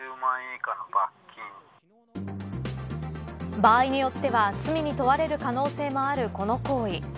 場合によっては罪に問われる可能性もあるこの行為。